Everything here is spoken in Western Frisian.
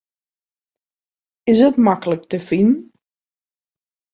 Is it maklik te finen?